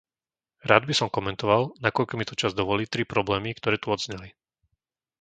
Rád by som komentoval, nakoľko mi to čas dovolí, tri problémy, ktoré tu odzneli.